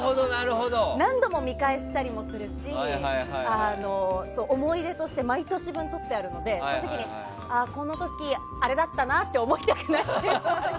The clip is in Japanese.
何度も見返したりするし思い出として毎年分取ってあるのでその時に、この時あれだったなって思いたくない。